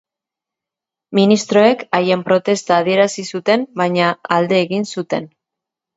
Ministroek haien protesta adierazi zuten baina alde egin zuten.